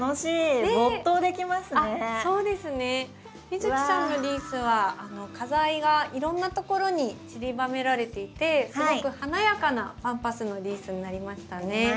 美月さんのリースは花材がいろんなところにちりばめられていてすごく華やかなパンパスのリースになりましたね。